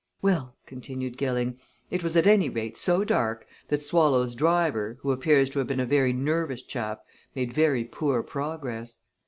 "Well," continued Gilling, "it was at any rate so dark that Swallow's driver, who appears to have been a very nervous chap, made very poor progress.